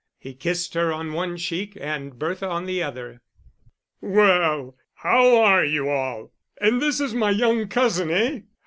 He kissed her on one cheek, and Bertha on the other. "Well, how are you all? And this is my young cousin, eh?